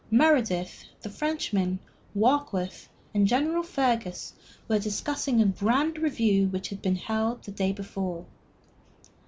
Meredith, the Frenchman, Warkworth, and General Fergus were discussing a grand review which had been held the day before.